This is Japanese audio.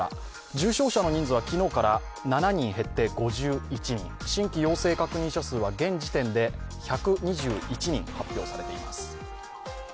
重症者の人数は昨日から７人減って５１人新規陽性確認者数は現時点で１２１人発表されています。